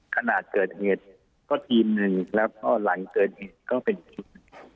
ขนาดเกิดเหตุก็ทีมหนึ่งแล้วก็หลังเกิดเหตุก็เป็นชุดหนึ่ง